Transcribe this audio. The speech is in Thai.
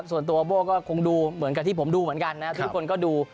ส่วนตัวโบ้ก็คงดูเหมือนกับที่ผมดูเหมือนกันนะทุกคนก็ดู